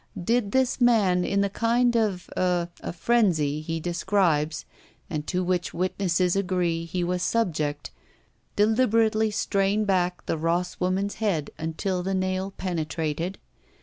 Did this man in the kind of er — ^a — ^frenzy he describes and to which witnesses agree he was subject, deliberately strain back the Ross woman's head until the nail penetrated